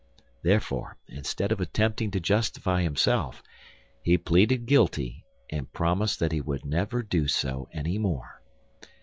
Therefore, instead of attempting to justify himself, he pleaded guilty, and promised that he would never do so any more.